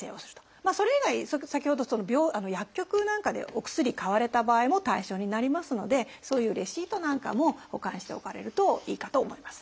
それ以外先ほど薬局なんかでお薬買われた場合も対象になりますのでそういうレシートなんかも保管しておかれるといいかと思います。